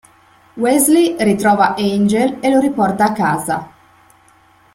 Wesley ritrova Angel e lo riporta a casa.